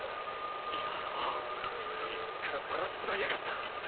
野郎自分からバラしちまいやがった！